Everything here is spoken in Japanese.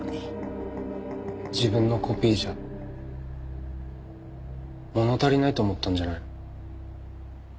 自分のコピーじゃ物足りないと思ったんじゃないの。